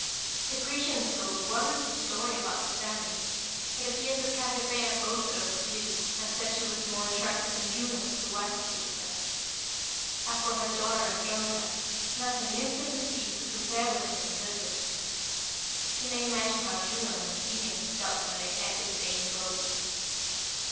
"The Grecians told a wonderful story about this family. It appears that Cassiopeia boasted of her beauty, and said she was more attractive than Juno, the wife of Jupiter. As for her daughter Andromeda, not a nymph in the sea could compare with her in good looks. You may imagine how Juno and the sea nymphs felt when they heard this vain boast!